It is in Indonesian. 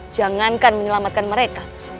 jangankan menyelamatkan mereka